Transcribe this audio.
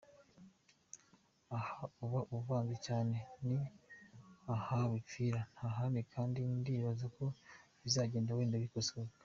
Aha uba uvanze cyane ni aha bipfira ntahandi kandi ndibaza ko bizagenda wenda bikosoka.